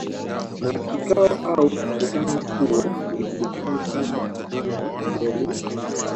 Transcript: Na kikao au mkutano huo ulijulikana kama mkutano wa Berlini